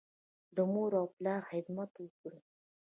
د مور او پلار خدمت وکړئ.